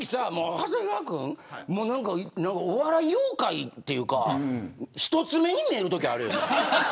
長谷川君、お笑い妖怪というか一つ目に見えるときあるよね。